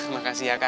makasih ya kak